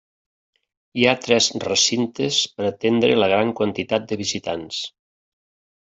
Hi ha tres recintes per atendre la gran quantitat de visitants.